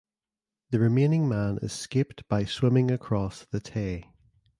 The remaining man escaped by swimming across the Tay.